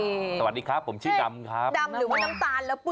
สวัสดีครับผมชื่อดำครับ